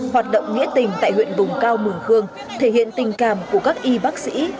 hoạt động nghĩa tình tại huyện vùng cao mường khương thể hiện tình cảm của các y bác sĩ